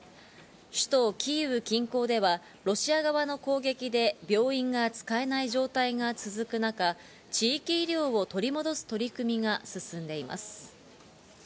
首都キーウ近郊ではロシア側の攻撃で病院が使えない状態が続く中、地域医療を取り戻す取り組みが進んでいます。